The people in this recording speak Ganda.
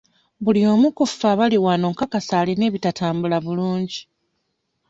Buli omu ku ffe abali wano nkakasa alina ebitatambula bulungi.